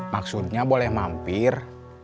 maksudnya boleh mampir